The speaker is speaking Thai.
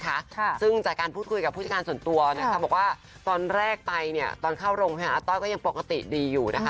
ค่ะซึ่งจากการพูดคุยกับผู้จัดการส่วนตัวนะคะบอกว่าตอนแรกไปเนี่ยตอนเข้าโรงพยาบาลอาต้อยก็ยังปกติดีอยู่นะคะ